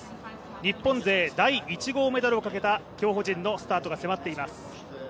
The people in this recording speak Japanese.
日本勢第１号メダルをかけた競歩勢のスタートが迫っています。